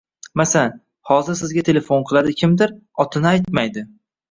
Masalan, hozir sizga telefon qiladi kimdir, otini aytmaydi: